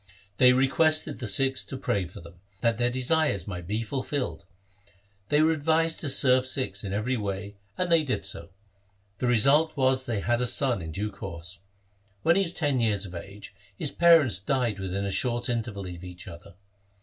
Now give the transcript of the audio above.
They requested the Sikhs to pray for them, that their desires might be fulfilled. They were advised to serve Sikhs in every way, and they did so. The result was that they had a son in due course. When he was ten years of age, his parents died within a short interval of each other.